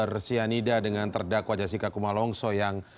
kopi bersia nida dengan terdakwa jessica kumalongso yang